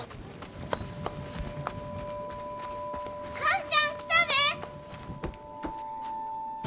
寛ちゃん来たで！